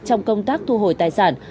trong công tác thu hồi tài sản